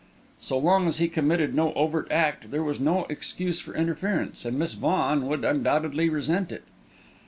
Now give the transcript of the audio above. So long as he committed no overt act, there was no excuse for interference, and Miss Vaughan would undoubtedly resent it.